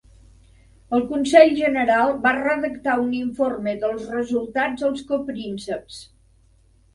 El Consell General va redactar un informe dels resultats als coprínceps.